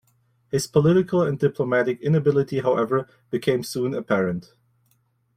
His political and diplomatic inability however became soon apparent.